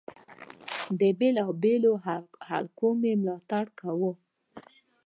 بېلو بېلو حلقو مي ملاتړ کاوه.